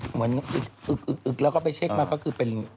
เหมือนอึกอึกอึกแล้วก็ไปเช็คมาก็คือเป็น